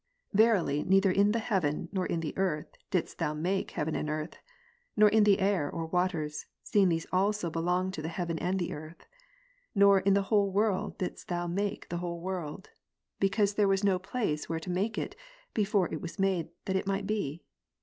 Verily, neither in the heaven, nor in the earth, didst ThoumaAre heaven and earth ; nor in the air, or waters, seeing these also belong to the heaven and the earth ; nor in the whole world didst Thou make the whole world ; because there was no place where to make it, before it was made, that it might be.